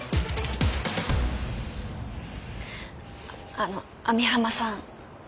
あの網浜さん